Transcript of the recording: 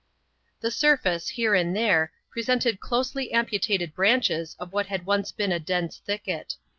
The surface, here and there, presented closely amputated branches of what had once been a dense thicket.